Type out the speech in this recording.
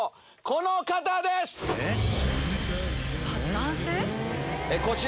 この方です！男性？